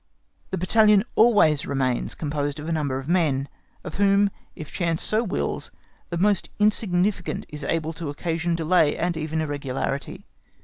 The battalion always remains composed of a number of men, of whom, if chance so wills, the most insignificant is able to occasion delay and even irregularity.